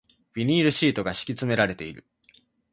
ビニールシートが敷き詰められている